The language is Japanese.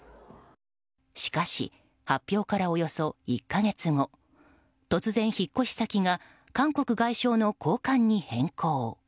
しかし、発表からおよそ１か月後突然、引っ越し先が韓国外相の公館に変更。